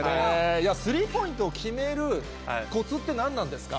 いや、スリーポイントを決めるこつって何なんですか？